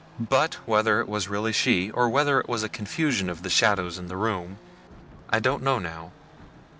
But, whether it was really she, or whether it was a confusion of the shadows in the room, I don't know now.